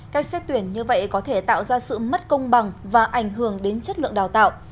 cách xét tuyển như vậy có thể tạo ra sự mất công bằng và ảnh hưởng đến chất lượng đào tạo